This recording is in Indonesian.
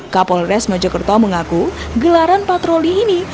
kapolres mojokerto mengaku gelaran patroli ini